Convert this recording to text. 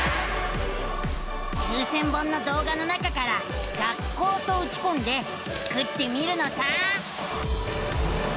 ９，０００本の動画の中から「学校」とうちこんでスクってみるのさ！